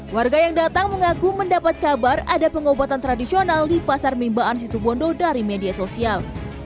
warga yang datang mengaku mendapat kabar ada pengobatan tradisional di pasar mimbaan situbondo dari media sosial